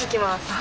あ。